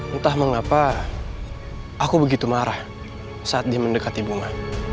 entah mengapa aku begitu marah saat dia mendekati bunga